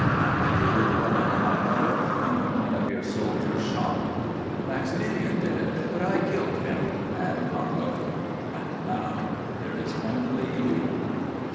And the old woman, my mother, whom one of your soldiers shot? Maximilien did it, but I killed him and Congo! And now there is only you."